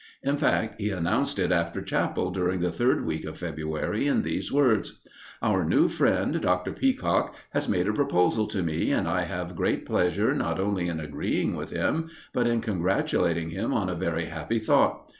In fact, he announced it after chapel during the third week of February in these words: "Our new friend, Mr. Peacock, has made a proposal to me, and I have great pleasure not only in agreeing with him, but in congratulating him on a very happy thought.